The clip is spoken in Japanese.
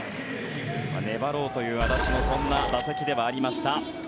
粘ろうという安達のそんな打席ではありました。